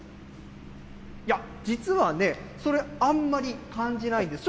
いや、実はね、それ、あんまり感じないんです。